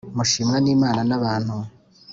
mushimwa n’imana n’abantu